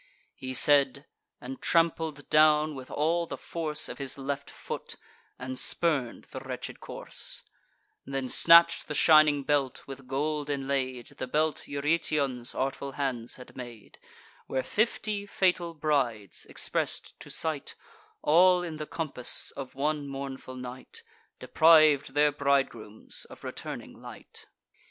He said, and trampled down with all the force Of his left foot, and spurn'd the wretched corse; Then snatch'd the shining belt, with gold inlaid; The belt Eurytion's artful hands had made, Where fifty fatal brides, express'd to sight, All in the compass of one mournful night, Depriv'd their bridegrooms of returning light.